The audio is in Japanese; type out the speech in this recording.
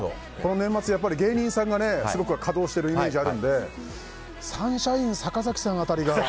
年末、芸人さんが稼働しているイメージがあるのでサンシャイン坂崎さん辺りが。